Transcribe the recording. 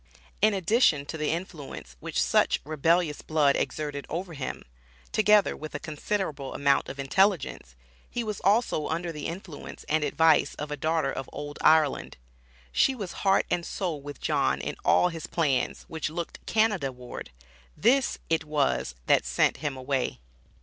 In addition to the influence which such rebellious blood exerted over him, together with a considerable amount of intelligence, he was also under the influence and advice of a daughter of old Ireland. She was heart and soul with John in all his plans which looked Canada ward. This it was that "sent him away."